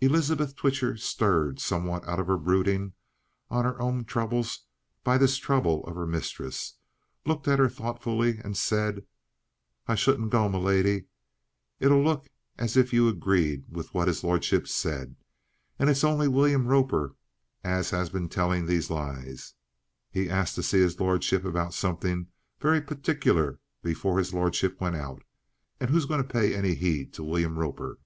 Elizabeth Twitcher, stirred somewhat out of her brooding on her own troubles by this trouble of her mistress, looked at her thoughtfully and said: "I shouldn't go, m'lady. It'll look as if you agreed with what his lordship said. And it's only William Roper as has been telling these lies. He asked to see his lordship about something very partic'ler before his lordship went out. And who's going to pay any heed to William Roper?"